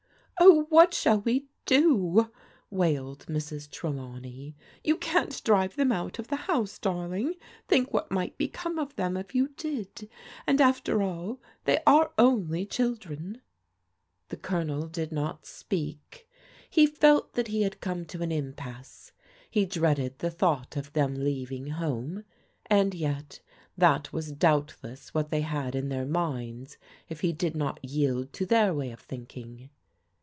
Oh, what shall we do?'* wailed Mrs. Trelawney. You can't drive them out of the house, darling. Think what might become of them if you did. And after all, they are only children." The Colonel did not speak. He felt that he had come to an impasse. He dreaded the thought of them leaving home, and yet that was doubtless what they had in their minds if he did not yield to their way of thinking.